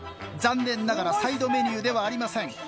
残念ながらサイドメニューではありません。